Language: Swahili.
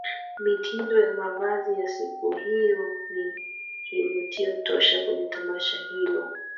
Mitindo ya mavazi ya siku hiyo ni kivutio tosha kwenye Tamasha hilo